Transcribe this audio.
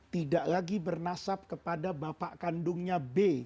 tidak lagi bernasab kepada bapak kandungnya b